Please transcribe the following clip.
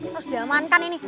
harus diamankan ini